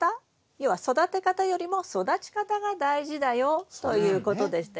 要は育て方よりも育ち方が大事だよということでしたよね。